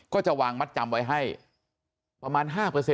ก็จะวางมัดจำไว้ให้ประมาณ๕